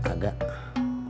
suka enggak enggak